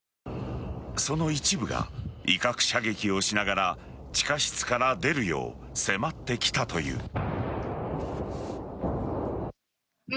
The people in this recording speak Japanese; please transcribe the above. その一部が威嚇射撃をしながら地下室から出るよう迫ってきたという。